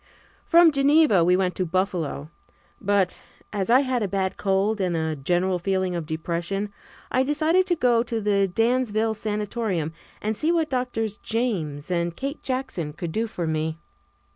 From Geneva we went to Buffalo, but, as I had a bad cold and a general feeling of depression, I decided to go to the Dansville Sanatorium and see what Doctors James and Kate Jackson could do for me.